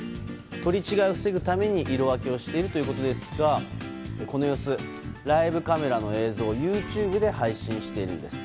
取り違えを防ぐために色分けをしているということですがこの様子、ライブカメラの映像ＹｏｕＴｕｂｅで配信しているんです。